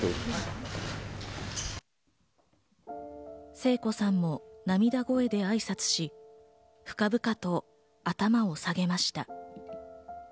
聖子さんも涙声で挨拶し、深々と頭を下げました。